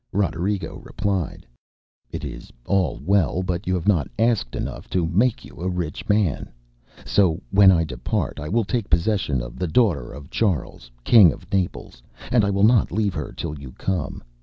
ŌĆØ Roderigo replied: ŌĆ£It is all well; but you have not asked enough to make you a rich man. So when I depart I will take possession of the daughter of Charles, king of Naples, and I will not leave her till you come.